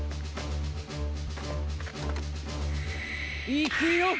いくよ！